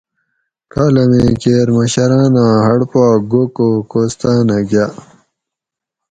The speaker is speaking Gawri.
کالامیں کیر مشراۤناں ھڑ پا گوکو کوستاۤنہ گاۤ